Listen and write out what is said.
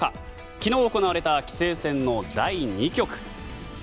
昨日行われた棋聖戦の第２局。